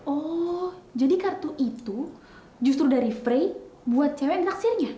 oh jadi kartu itu justru dari frey buat cewek yang taksirnya